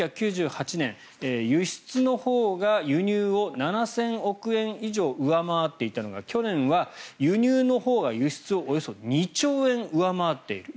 １９９８年、輸出のほうが輸入を７０００億円以上上回っていたのが去年は輸入のほうが輸出をおよそ２兆円上回っている。